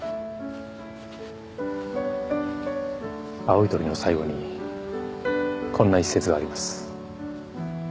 『青い鳥』の最後にこんな一節があります。